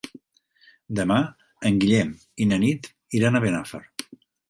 Demà en Guillem i na Nit iran a Benafer.